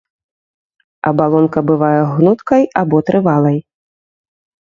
Абалонка бывае гнуткай або трывалай.